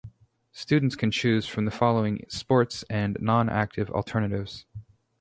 Students can choose from the following sports and non-active alternatives.